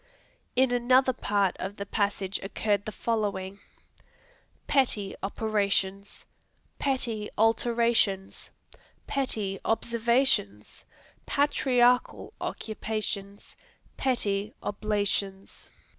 In another part of the passage occurred the following: Petty operations. Petty alterations. Petty observations. Patriarchal occupations. Petty oblations.